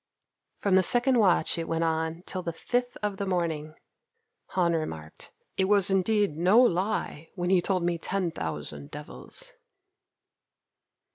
From the second watch it went on till the fifth of the morning. Han remarked, "It was indeed no lie when he told me 'ten thousand devils.'"